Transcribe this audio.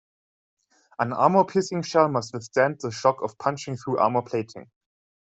An armor-piercing shell must withstand the shock of punching through armor plating.